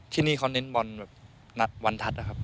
ที่นี่เขาเน้นบอลแบบวันทัศน์นะครับ